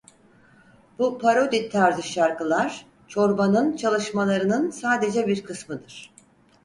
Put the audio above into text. Bu parodi tarzı şarkılar Çorba'nın çalışmalarının sadece bir kısmıdır.